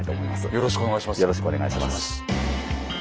よろしくお願いします。